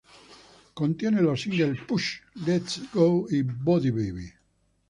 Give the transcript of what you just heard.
Contiene los singles Push, Let's Go y Body Baby.